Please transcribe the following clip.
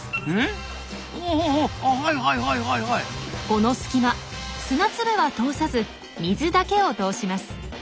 この隙間砂粒は通さず水だけを通します。